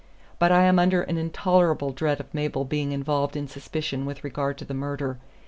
But I am under an intolerable dread of Mabel being involved in suspicion with regard to the murder.